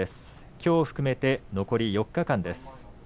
きょうを含めて残りあと４日間です。